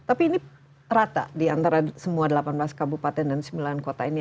tapi ini rata di antara semua delapan belas kabupaten dan sembilan kota ini